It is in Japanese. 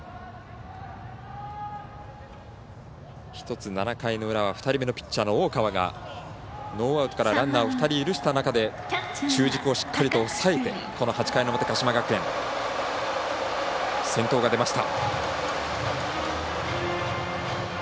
１つ７回の裏は２人目のピッチャーの大川がノーアウトからランナーを２人許した中で中軸をしっかり抑えて８回の表の鹿島学園先頭が出ました。